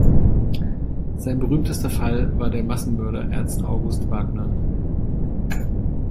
Sein berühmtester Fall war der Massenmörder Ernst August Wagner.